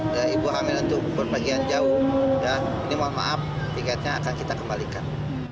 dan ibu hamil itu berpergian jauh ini mohon maaf tingkatnya akan kita kembalikan